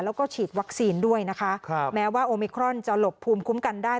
แล้วก็ฉีดวัคซีนด้วยนะคะครับแม้ว่าโอมิครอนจะหลบภูมิคุ้มกันได้